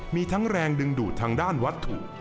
มีทั้งแรงดึงดูดทางด้านวัตถุ